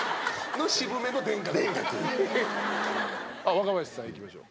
若林さんいきましょう。